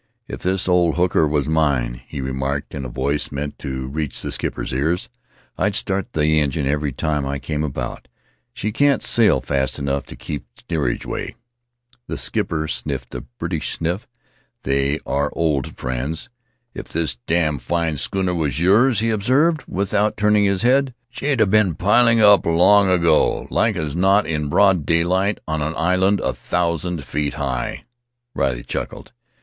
"If this old hooker was mine," he remarked in a voice meant to reach the skipper's ears, "I'd start the engine every time I came about; she can't sail fast enough to keep steerageway !" The skipper sniffed a British sniff; they are old friends. "If this damn fine schooner was yours," he observed, without turning his head, "she'd have been piled up long ago — like as not in broad daylight, on an island a thousand feet high." Riley chuckled.